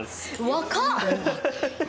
若っ！！